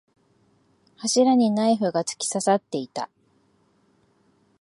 柱にナイフが突き刺さっていた。